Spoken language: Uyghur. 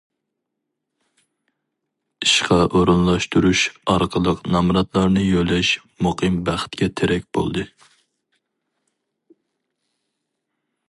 ئىشقا ئورۇنلاشتۇرۇش ئارقىلىق نامراتلارنى يۆلەش مۇقىم بەختكە تىرەك بولدى.